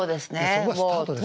そこがスタートです。